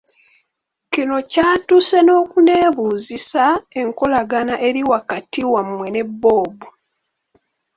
Kino ky’atuuse n’okunneebuuzisa enkolagana eri wakati wammwe ne Bob.